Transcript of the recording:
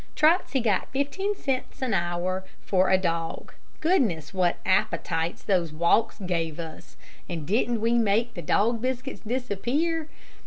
Trotsey got fifteen cents an hour for a dog. Goodness, what appetites those walks gave us, and didn't we make the dog biscuits disappear?